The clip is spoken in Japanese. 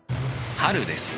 春です。